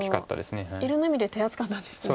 打っておくといろんな意味で手厚かったんですね。